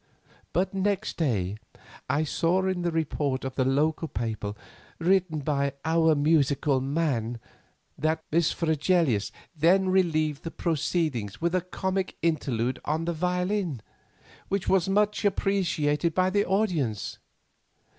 But next day I saw in the report in the local paper, written by 'Our Musical Man,' that 'Miss Fregelius then relieved the proceedings with a comic interlude on the violin, which was much appreciated by the audience.